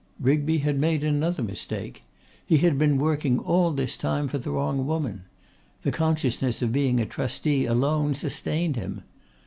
Rigby had made another mistake. He had been working all this time for the wrong woman! The consciousness of being a trustee alone sustained him.